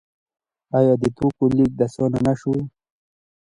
آیا د توکو لیږد اسانه نشو؟